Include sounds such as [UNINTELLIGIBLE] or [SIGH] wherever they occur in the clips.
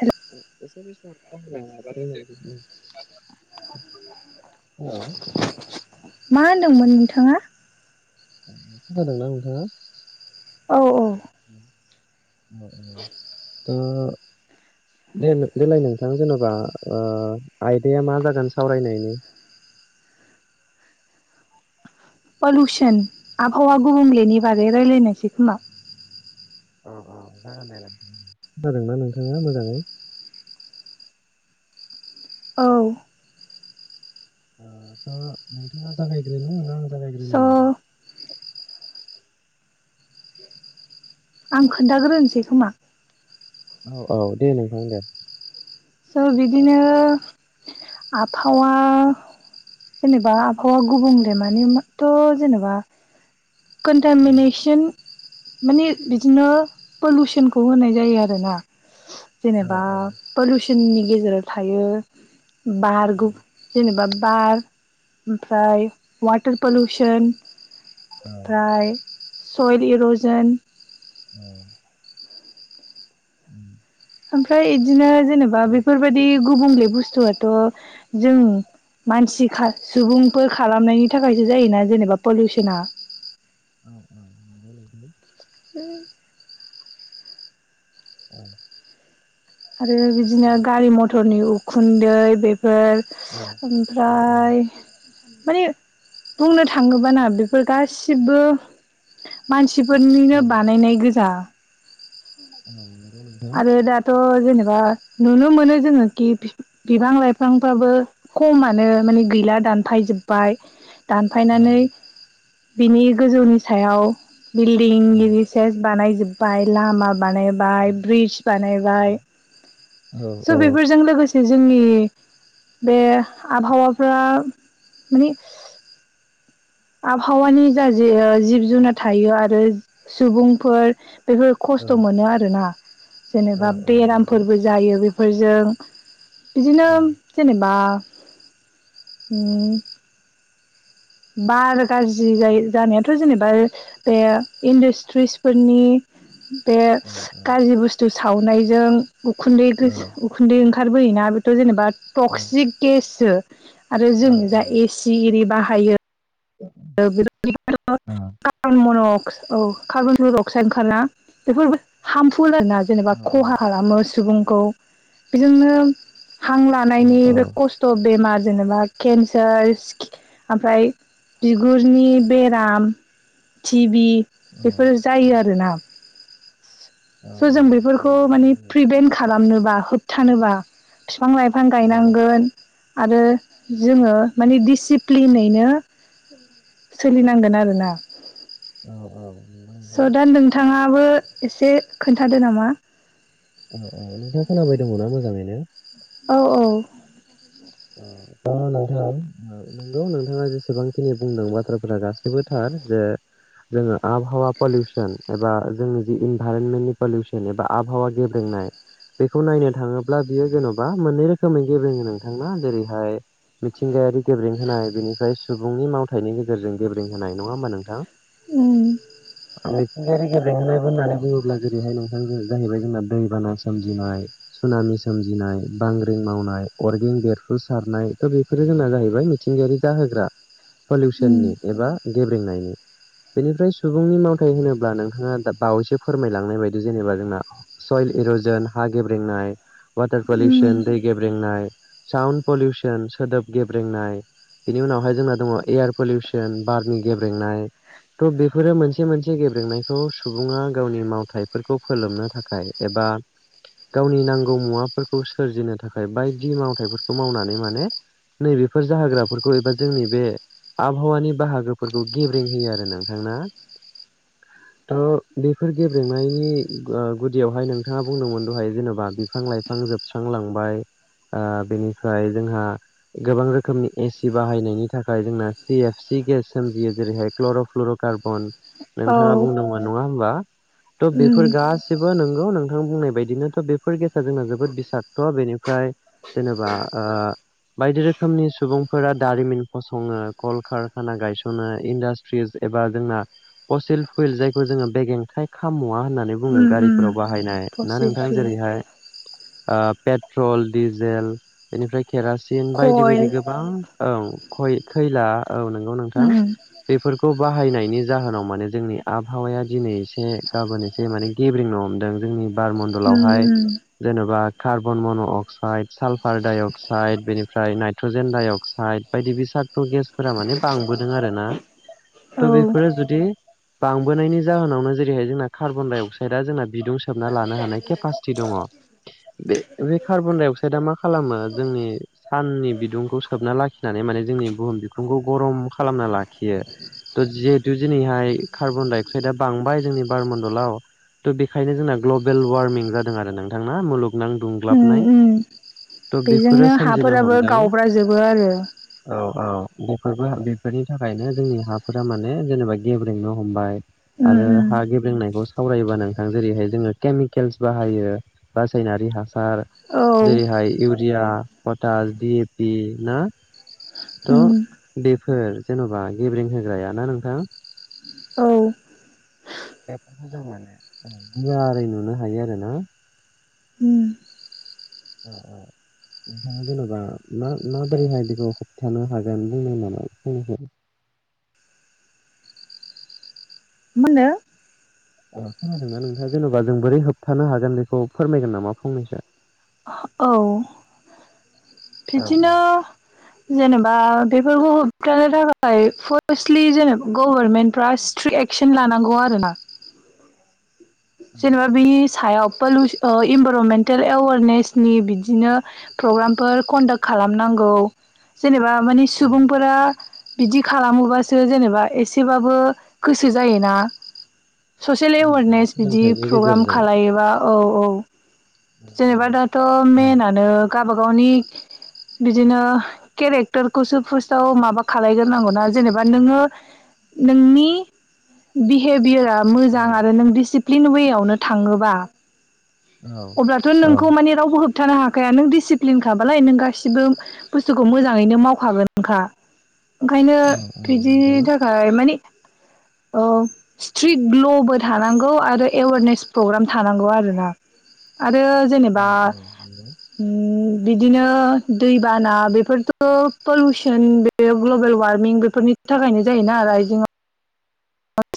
हेल [UNINTELLIGIBLE] मा होनदोंमोन नोंथाङा? खोनादोंना नोंथाङा? औ औ ओ दे देेलाय नोंथां जेन'बा आयदाया मा जागोन सावरायनायनि? [INAUDIBLE] पलुसन आबहावा गुबुंलेनि बागै रायलायनोसै खोमा। अ अ जागोन दे नों। खोनादोंना नोंथाङा मोजाङै? औ ओ दा नोंथाङा जागायग्रोनो ना आं स' जागायग्रोनो? आं खोन्थाग्रोनोसै खोमा औ औ दे नोंथां दे। स' बिदिनो आबहावा जेनेबा आबहावा गुबुंलेमाने थ' जेनेबा औ कन्टामेनेचन माने बिदिनो पलुसनखौ होननाय जायो आरोना औ जेनेबा पलुसननि गेजेराव थायो बार औ गुब जेन'बा बार ओमफ्राय वाटार पलुसन औ ओमफ्राय सय'ल इर'जन औ [INAUDIBLE] ओमफ्राय इदिनो जेनेबा दे बेफोरबायदि गुबुंले बुस्थु आथ' जों मानसि खा सुबुंफोर खालामनायनि थाखायसो जायोना जेनेबा पलुसना औ औ जायो बिदिनो [UNINTELLIGIBLE] औ आरो औ बिदिनो गारि मथरनि उखुन्दै बे फोर औ औ ओमफ्राय माने बुंनो थाङोबा ना बेफोर गासिबो मानसि सि औ फोरनिनो बानायनाय गोजा औ नों आरो दाथ' जेनेबा नुनो मोनो जोङो कि फि बिफां-लाइफांफ्राबो खमानो माने गै ला दानफायजोब्बाय दानफायनानै बिनि गोजौनि सायाव बिल्डिं औ लोगोसे बानायजोबबाय लामा बानायबाय बिस औ बानायबाय औ औ स' बेफोरजों लोगोसे जोंनि बे आबहावाफ्रा माने आबहावानि जा जे जिब जुनार थायो आरो सुबुंफोर बेफोर औ खस्थ' मोनो आरोना औ जेनेबा औ नंगौ बेरामफोरबो जायो बे फोरजों औ बिदिनो जेनेबा उम बार गाज्रि औ जायो जानायाथ' जेनेबा बे इन्डासट्रिसफोरनि बे औ औ गाज्रि बुस्थु सावनायजों उखुन्दै औ उखुन्दै ओं खारबोयोना बेथ' जेनेबा औ टक्सिक गेससो आरो जों जा एसि एरि बा [INAUDIBLE] औ कारबनडाइ अक्साइड ओंखारला बेफोर होनना जेनेबा खहा खालामो सुबुंखौ बेयो। हां औ लानायनि औ बे खस्थ' बेमार जेनेबा केन्सार स्कि- ओमफ्राय बिगुरनि बेराम टिभि बेफोर जायो आरोना। स' जों बेफोरखौ जायो नोंथां माने जायो प्रिभेन्ट खालामनोबा होबथानोबा बिफां लाइफां औ गायनांगोन आरो जोङो माने दिसिप्लिनैनो सोलिनांगोन आरोना औ औ। बो एसे खोन्थादो नामा अ अ नोंथाङा खोनाबाय दङना मोजाङैनो औ औ। नोंथां नंगौ नोंथाङा जेसेबांखिनि बुंदों बाथ्राफोरा गासैबो थार जे जोङो आबहावा पलिउसन एबा जोंनि जि इनभाइरनमेन्टनि पलिउसन एबा आबहावा गेब्रे बेखौ नायनो थाङोब्ला बियो जेन'बा मोननै रोखोमै गेब्रेङो नोंथां जेरैहाय मिथिंगायारि गेब्रें होनाय बेनिफ्राय सुबुंनि मावथायाइनि गेजेरजों गेबेें होनाय नङा होमा नोंथां। उम। आं मिथिंगायारि गेब्रेंहोनायबो होननानै बुङोब्ला जेरैहाय नोंथां जाहैबाय जोंना दैबाना सोमजिनाय सुनामि सोमजिनाय बांग्रिं मावनाय अर गें बेरफ्रुसारनाय त' बेफोरो जोंना जाहैबाय मिथिंगायारि जाहोग्रा। उम पलिउसननि एबा गेब्रेंनायनि बेनिफ्राय सुबुंनि मावथाय होनोब्ला नोंथाङा बावैसो फोरमायलांनाय बायदि जेनेबा जोंना सयिल एर'जन हा गेब्रेंनाय वाटार उम पलिउसन दै गेब्रेंनाय साउन्ड पलिउसन सोदोब गेब्रेंनाय बिनि उनावहाय जोंना दङ एयार पलिउसन बारनि गेब्रेंनाय त' बेफोरो मोनसे मोनसे गेब्रेंनायखौ सुबुङा गावनि मावथाइफोरखौ फोलोमनो थाखाय एबा! गावनि नांगौ मुवाफोरखौ सोरजिनो थाखाय बायदि माव थायफोरखौ मावनानै माने नैबेफोर जाहोग्राफोरखौ एबा जोंनि बे आबहावानि बाहागोफोरखौ गेब्रें होयो आरो नोंथां ना। [UNINTELLIGIBLE] त बेफोर गेब्रेंनायनि गुदियावहाय नोंथाङा बुंदोंमोन दहाय जेनेबा बिफां लाइफां जोबस्रांलांबाय ओ। बेनिफ्राय जोंहा गोबां रोखोमनि एसि बाहायनायनि थाखाय जोंना सि एफ सि गेस जेरैहाय क्ल' फ्लुर'कार्बन औ नोंथाङा बुंदोंमोन नङा होनबा त' उम बेफोर गासिबो नों थां बुंनाय बायदिनोथ' बेफोर गेसा जोंना जोबोद बिसाद्त' बेनिफ्राय जेनेबा ओ। बायदि रोखोमनि सुबुंफोरा दारिमिन फसङो कलकारखाना गायस'नो इन्डास्ट्रिस एबा जोंना पसिल फुइल जायखौ जोङो बेगेंथाइ खाम मुवा होननानै बुङो उम उम गारिफोराव बाहायनाय ना फसिल नोंथां फिउल जेरैहाय ओ पेट्रल, डि जेल बेनिफ्राय केरासिन बायदि कयल बायदि गोबां औ। खैला औ नंगौ नोंथां। उम बेफोरखौ बाहायनायनि जाहोनाव माने जोंनि आबहावाया दिनै एसे गाबोन एसे माने गेब्रें हमदों जोंनि उम बारमडलावहाय उम जेन'बा कार्बन मन' अक्साइद सालफार डाइ अक्साइड बेनिफ्राय नाइट्रजेन डाइ अक्साइड बायदि बिसागत' गेसफोरा माने बां बोदों आरोना औ थ' बेफोरो जुदि बांबोनायनि जाहोनावनो जेरैहाय जोंना कार्बन डाइ अक्साइदआ जोंना बिदुं सोबना लानो हानाय केपासिटि दङ बे बे कारबन डाइ अकसाइद साडआ मा खालामो जोंनि साननि बिदुंखौ सोबना लाखिनानै माने जोंनि बुहुम बिखुंखौ गरम खालामना लाखियो। थ' जिहेतु दिनैहाय कार्बन डाइ अक्साइदआ बांबाय जोंनि बारमण्डलाव थ'' बेखायनो जोंना ग्लबेल वार्मिं जादों आरो नोंथांना मुलुगनां उम दुंग्लाबनाय उम थ' बेफोरो बेजोंनो सोमजिनो हाफोराबो हमदों गावब्राजोबो आरो औ औ बेफोरबो बेफोरनि थाखायनो जोंनि हाफोरा माने जेनेबा गेब्रेंनो हमबाय उम आरो उम हा गेब्लेंनायखौ सावरायोबा नोंथां जेरैहाय जोङो केमिकेल्स बाहायो रासायनारि हासार औ जेरैहाय इउरिया पटास डि पि ना थ' उम बेफोर जेन'बा गेब्रें होग्राया ना नोंथां [INAUDIBLE] [UNINTELLIGIBLE] बेफोरखौ जों माने गुवारै नुनो हायो आरो ना उम अ औ नोंथाङा जेनेबा मा मा बोरैहाय बिखौ होबथानो हागोन बुंदो नामा फंनैसो [INAUDIBLE] [UNINTELLIGIBLE] मोनो अ खोनादोंना नोंथाङा जेनेबा जों बोरै होबथानो हागोन बेखौ फोरमायगोन नामा फंनैसो औ बिदिनो जेनेबा बेफोरखौ होबथानो थाखाय फार्स्टलि जेने गभारनमेन्ट फ्रा स्ट्रिएक एकसन लानांगौ आरोना जेनेबा बेनि सायाव पलुस अ इनभाररनमेन्टेल एवारनेसनि बिदिनो प्रग्रामफोर कन्डाक्ट खालामनांगौ जेनेबा मानि सुबुंफोरा बिदि खालामोबासो जेनेबा एसेबाबो गोसो जायोना ससियेल एवारनेस बिदि सोलोंथाइनि प्रग्राम गेजेरजों खालायोबा औ औ औ जेनेबा दाथ' मेनानो गावबागावनि बिदिनो केरेक्टारखौसो फार्स्टाव माबा खालायग्रोनांगौना जेनेबा नोङो नोंनि बिहेभियार आं औ मोजां आरो नों डिसिप्लिन वे आवनो थाङोबा अब्लाथ' औ औ नोंखौ माने रावबो हो बथानो हाखाया नों डिसिप्लिनखाबालाय नों गासिबो बुस्थुखौ मोजाङैनो मावखागोनखा ओंखायनो बिदिनि थाखाय मानि औ स्ट्रिट ग्ल'बो थानांगौ आरो एवेरनेस प्रग्राम थानांगौ आरो ना आरो जेनेबा ओम बिदिनो दैबाना बेफोरथ' पलुसन बे ग्लबेल वारमिं बेफोरनि थाखायनो जायोना आरो आइजेंआव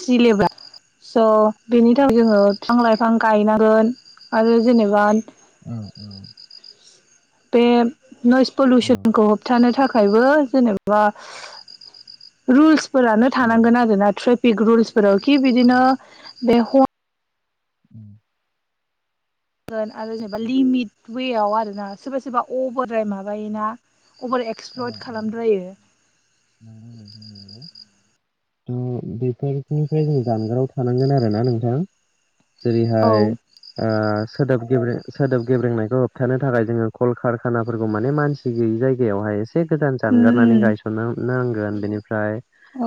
सिलेब्रा स' बेनि थाखाय जोङो फांलाय बिफां गायनांगोन आरो जेनेबा औ औ बे नयस पलिुसनखौ होबथानो थाखाय थाखायबो जेनेबा रुल्सफोरानो थानांगोन आरोना ट्रे पिक रुल्सफोराव कि बिदिनो बे [UNINTELLIGIBLE] [INAUDIBLE] गोन आरो जेनेबा लिमिट वेआव आरोना सोरबा सोरबा अभारद्राय माबायोना अभार एक्सप्लयद खालामद्रायो थ बेफोरनिफ्राय जों जानगाराव थानांगोन आरोना नोंथां औ जेरैहाय सोदोब गेब्रें सोदोब गेब्रेंनायखौ होबथानो थाखाय जोङो कल कारखानाफोरखौ माने मानसि गैयि जायगायावहाय एसे एसे गोजान उम जानगारनानै उम गायसननो नांगोन बेनिफ्राय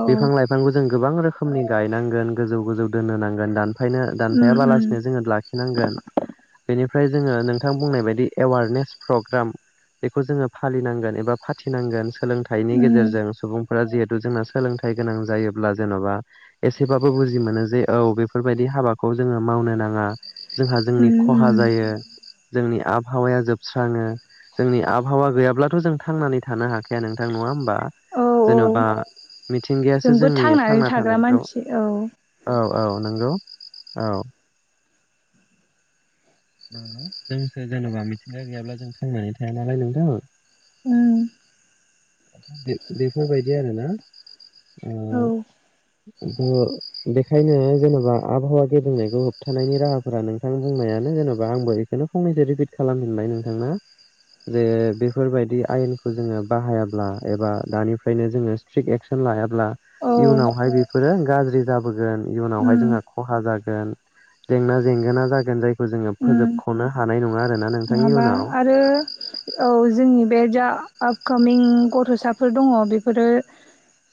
औ बिफां-लाइ गोबां रोखोमनि गायनांगोन गोजौ गोजौ दोनो नांगोन दाननो उम उम दानफायाबालासिनो जोङो ला नांगोन बेनिफ्राय जोङो नोंथां बुंनाय बायदि एवारनेस प्रग्राम बेखौ जोङो फालिनांगोन एबा फाथिनांगोन सोलोंथाइनि उम गेजेरजों सुबुंफोरा जिहेथु जोंना सोलोंथाइ गोनां जा योब्ला जेन'बा एसेबाबो बुजि मोनो जे औ बेफोरबायदि हाबाखौ जोङो मावनो नाङा जोंहा जोंनि उम खहा उम जायो जोंनि आबहावाया जोबस्राङो जोंनि आबहावा गैयाब्लाथ' जों थांनानै थानो हाखाया नोंथां नङा होमबा औ जेन'बा मिथिंगायासो जोंबो जोंनि थांनानै थांना थाग्रा थानायखौ मानसि औ औ औ नंगौ औ जोंसो जेन'बा मिथिंगा गैयाब्ला जों थांनानै थाया नालाय नोंथां। उ बे-बेफोरबायदि आरोना औ ओ बेखायनो जेनेबा आबहावा गेबेनायखौ होबथानायनि राहाफोरा नोंथां बुं नायानो जेनेबा आंबो बेखौनो फंनैसो रिपिट खालामफिनबाय नोंथांनो जे बेफोरबायदि आयेनखौ जोङो बाहाया ब्ला एबा दानिफ्रायनो जोङो स्ट्रिकट एक्सन लायाब्ला औ इयुनावहाय बेफोरो गाज्रि जाबो गोन उम इउनाहाय जोंहा खहा जागोन जेंना जेंगोना जागोन जायखौ जोङो उम फोजोबख'नो हानाय नङा आरो नङाबा आरो औ जोंनि बे जा आफ कमिं गथ'साफोर दङ बेफोरो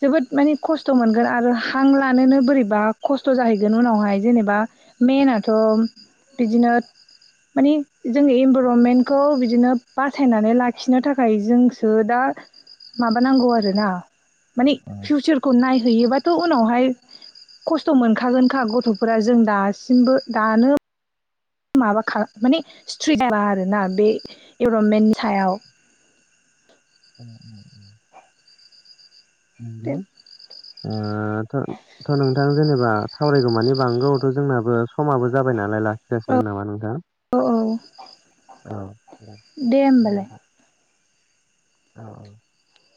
जोबोद मानिे खस्थ' मोनगोन आरो हां लानोनो बोरैबा खस्थ' जाहैगोन उनावहाय जेनेबा मेनाथ' बिदिनो मानि जों इनभा र्मेन्टखौ बिदिनो बासायनानै लाखिनो थाखाय जोंसो दा माबानांगौ आरोना मानिे फिउचारखौ नायहैयोबाथ' उनावहाय खस्थ' मोनखागोनखा गथ'फोरा जों दासिमबो दानो माबा खालाम माने स्ट्रिट जायाबा आरोना बे इभरनमेन्टनि सायाव उ दे ओ थ'थ' नोंथां जेनेबा सावरायगौमानि बांगौ थ' जोंनाबो समाबो जाबाय नालाय लाखि थसि गोन नामा नोंथां। औ औ दे होमबालाय औ